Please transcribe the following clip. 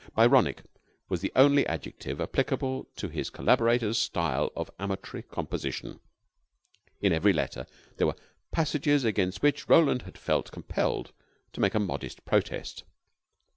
Byronic was the only adjective applicable to his collaborator's style of amatory composition. In every letter there were passages against which Roland had felt compelled to make a modest protest.